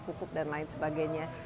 kukup dan lain sebagainya